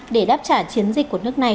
để đáp trả chiến dịch của nước này